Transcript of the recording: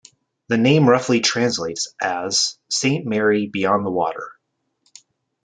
The name roughly translates as "Saint Mary beyond the Water".